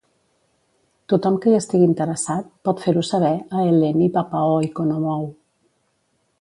Tothom que hi estigui interessat pot fer-ho saber a Eleni Papaoikonomou.